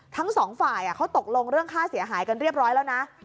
ทั้งสองฝ่ายเขาตกลงเรื่องค่าเสียหายกันเรียบร้อยแล้วนะ